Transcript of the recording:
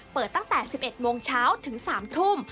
เปิดตั้งแต่๑๑โมงเช้าถึง๓ทุ่ม